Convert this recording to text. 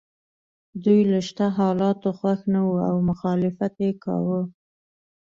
دوی له شته حالاتو خوښ نه وو او مخالفت یې کاوه.